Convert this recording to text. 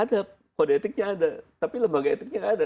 ada kode etiknya ada tapi lembaga etiknya ada